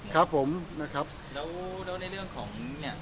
ครับผมนะครับแล้วในเรื่องของเนี่ย